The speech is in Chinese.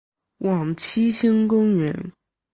往七星公园